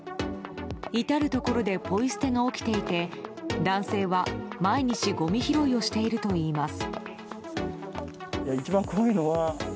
至るところでポイ捨てが起きていて男性は、毎日ごみ拾いをしているといいます。